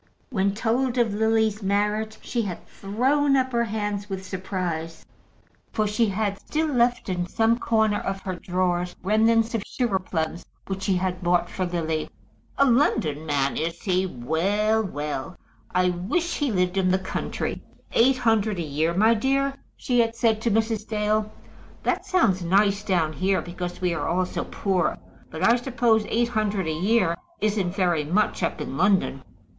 When told of Lily's marriage, she had thrown up her hands with surprise, for she had still left in some corner of her drawers remnants of sugar plums which she had bought for Lily. "A London man is he? Well, well. I wish he lived in the country. Eight hundred a year, my dear?" she had said to Mrs. Dale. "That sounds nice down here, because we are all so poor. But I suppose eight hundred a year isn't very much up in London?"